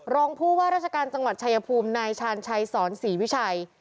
รองผู้ว่าราชการจังหวัดชายภูมินายชาญชัยสอนศรีวิชัย